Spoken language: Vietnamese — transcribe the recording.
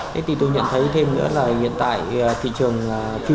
thế thì tôi nhận thấy thêm nữa là hiện tại thị trường phim